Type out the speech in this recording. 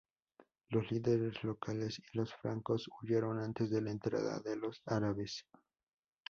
Los líderes locales y los francos huyeron antes de la entrada de los árabes.